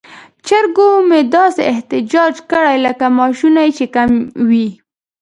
چرګو مې داسې احتجاج کړی لکه معاشونه یې چې کم وي.